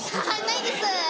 ないです。